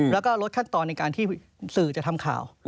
แล้วก็ลดขั้นตอนในการที่สื่อจะทำข่าว